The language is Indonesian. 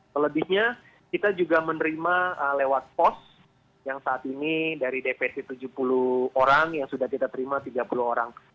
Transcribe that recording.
selebihnya kita juga menerima lewat pos yang saat ini dari defensi tujuh puluh orang yang sudah kita terima tiga puluh orang